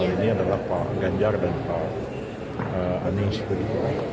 ini adalah pak ganjar dan pak aning sendiri